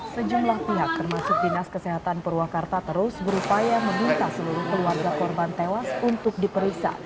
sejumlah pihak termasuk dinas kesehatan purwakarta terus berupaya meminta seluruh keluarga korban tewas untuk diperiksa